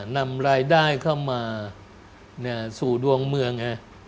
นำรายได้เข้ามาสู่ดวงเมือง